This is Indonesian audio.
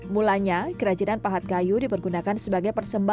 mulanya kerajinan pahat kayu dipergunakan sebagai persembahan